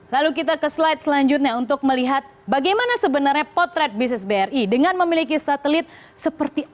lalu kita ke slide selanjutnya untuk melihat bagaimana sebenarnya potret bisnis bri dengan memiliki satelit seperti apa